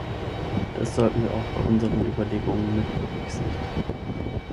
Das sollten wir auch bei unseren Überlegungen mitberücksichtigen.